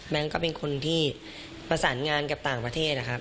ก็เป็นคนที่ประสานงานกับต่างประเทศนะครับ